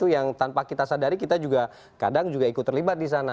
yang tanpa kita sadari kita juga kadang juga ikut terlibat di sana